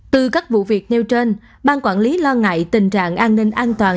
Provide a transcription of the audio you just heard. từ các vụ việc neo trên bang quản lý lo ngại tình trạng an ninh an toàn